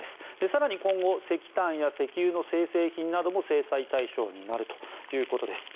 更に、今後石炭や石油の精製品なども制裁対象になるということです。